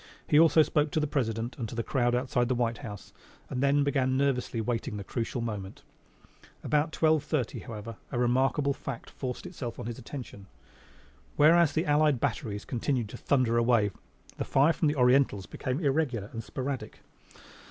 He also spoke to the President and to the crowd outside the White House, and then began nervously waiting the crucial moment. About twelve thirty, however, a remarkable fact forced itself on his attention. Whereas the allied batteries continued to thunder away, the fire from the Orientals became irregular and sporadic.